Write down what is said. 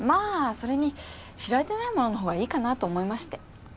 それに知られてないもののほうがいいかなと思いまして。